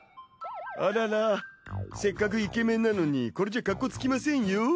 あららせっかくイケメンなのにこれじゃかっこつきませんよ？